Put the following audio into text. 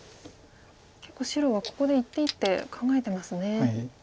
結構白はここで一手一手考えてますね。